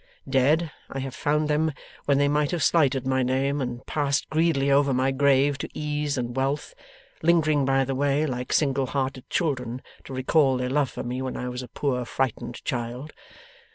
Dead, I have found them when they might have slighted my name, and passed greedily over my grave to ease and wealth, lingering by the way, like single hearted children, to recall their love for me when I was a poor frightened child.